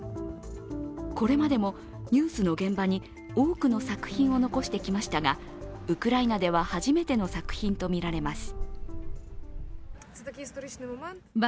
これまでもニュースの現場に多くの作品を残してきましたがウクライナでは初めての作品とみられます。